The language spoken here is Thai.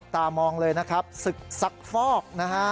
ตามองเลยนะครับศึกซักฟอกนะฮะ